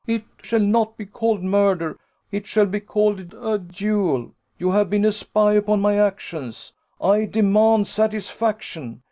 It shall not be called murder: it shall be called a duel. You have been a spy upon my actions I demand satisfaction.